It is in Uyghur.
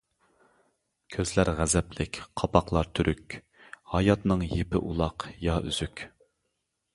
كۆزلەر غەزەپلىك، قاپاقلار تۈرۈك، ھاياتنىڭ يىپى ئۇلاق يا ئۈزۈك.